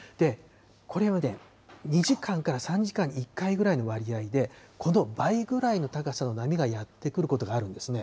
これはね、２時間から３時間に１回ぐらいの割合でこの倍ぐらいの高さの波がやって来ることがあるんですね。